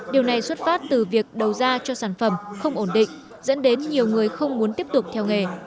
điều này xuất phát từ việc đầu ra cho sản phẩm không ổn định dẫn đến nhiều người không muốn tiếp tục theo nghề